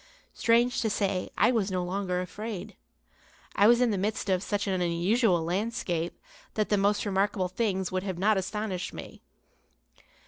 Strange to say, I was no longer afraid. I was in the midst of such an unusual landscape that the most remarkable things would not have astonished me.